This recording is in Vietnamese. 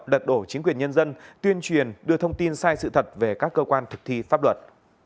lật đổ chính quyền nhân dân tuyên truyền đưa thông tin sai sự thật về các cơ quan thực thi pháp luật